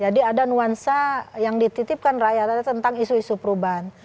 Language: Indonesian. ada nuansa yang dititipkan rakyat tentang isu isu perubahan